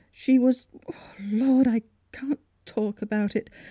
" She was — Lord 1 I can't talk about it.